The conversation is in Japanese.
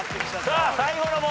最後の問題。